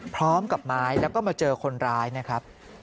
พร้อมกับไม้แล้วก็มาเจอคนร้ายนะครับ